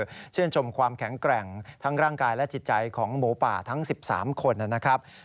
ก็ชื่นชมความแข็งแกร่งทั้งร่างกายและจิตใจของหมูป่าทั้ง๑๓คนนะครับ